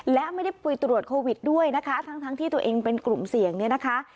และไม่ได้ปุ๋ยตรวจโควิดด้วยนะคะทั้งที่ตัวเองเป็นกลุ่มเสี่ยงเนี่ยนะคะ